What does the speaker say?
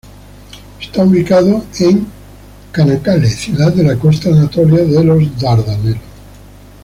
Está ubicado en Çanakkale, ciudad de la costa anatolia de los Dardanelos.